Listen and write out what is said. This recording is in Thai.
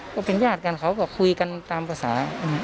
ก็เป็นญาติกันเขาก็คุยกันตามภาษา